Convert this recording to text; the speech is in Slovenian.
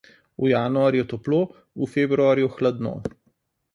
V januarju toplo, v februarju hladno.